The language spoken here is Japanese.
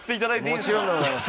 もちろんでございます。